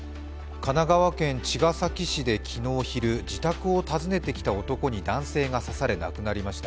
神奈川県茅ヶ崎市で昨日昼、自宅を訪ねてきた男に男性が刺され亡くなりました。